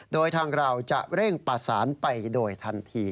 โดยทางเราจะเร่งประสานไปโดยทันที